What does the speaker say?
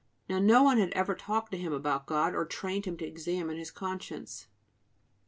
Now, no one had ever talked to him about God, or trained him to examine his conscience.